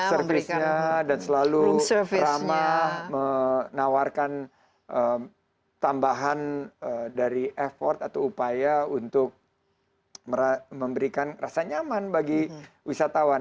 servisnya dan selalu ramah menawarkan tambahan dari effort atau upaya untuk memberikan rasa nyaman bagi wisatawan